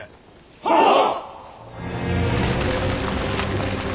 はっ！